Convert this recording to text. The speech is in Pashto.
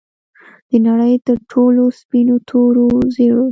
د نړۍ د ټولو سپینو، تورو، زیړو